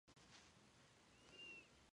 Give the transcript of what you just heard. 鼓膜与眼睛的直径相若。